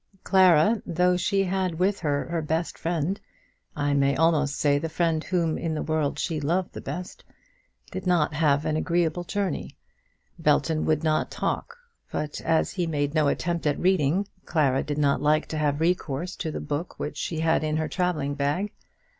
Clara, though she had with her her best friend, I may almost say the friend whom in the world she loved the best, did not have an agreeable journey. Belton would not talk; but as he made no attempt at reading, Clara did not like to have recourse to the book which she had in her travelling bag.